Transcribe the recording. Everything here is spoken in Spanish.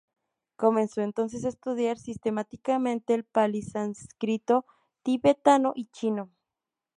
Comenzó entonces a estudiar sistemáticamente el Pali, Sánscrito, Tibetano y Chino.